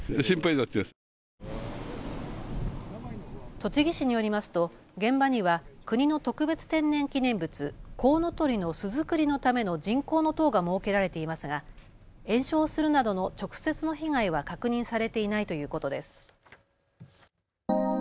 栃木市によりますと現場には国の特別天然記念物コウノトリの巣作りのための人工の塔が設けられていますが延焼するなどの直接の被害は確認されていないということです。